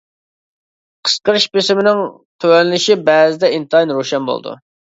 قىسقىرىش بېسىمىنىڭ تۆۋەنلىشى بەزىدە ئىنتايىن روشەن بولىدۇ.